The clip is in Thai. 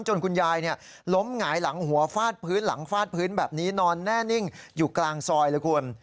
คุณยายล้มหงายหลังหัวฟาดพื้นหลังฟาดพื้นแบบนี้นอนแน่นิ่งอยู่กลางซอยเลยคุณ